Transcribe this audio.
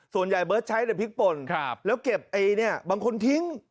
ส่วนใหญ่เบิร์ตใช้แต่พริกป่นแล้วเก็บอันนี้บางคนทิ้ง